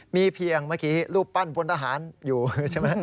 มีเพียงเมื่อกี้รูปปั้นพลทหารอยู่ใช่ไหม